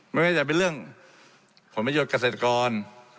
ไม่ว่าจะเป็นเรื่องผลประโยชน์เกษตรกร